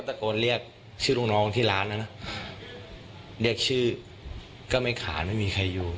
ที่ช่องมองที่ร้านนั้นนะเรียกชื่อก็ไม่ขาดไม่มีใครอยู่